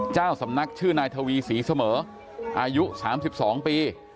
เจ้าสำนักชื่อนายทวีศรีเสมออายุ๓๒ปี